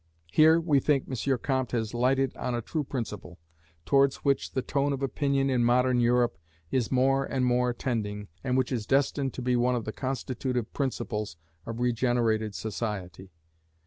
Here, we think, M. Comte has lighted on a true principle, towards which the tone of opinion in modern Europe is more and more tending, and which is destined to be one of the constitutive principles of regenerated society.